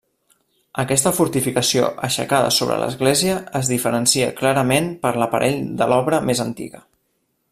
Aquesta fortificació aixecada sobre l'església es diferencia clarament per l'aparell de l'obra més antiga.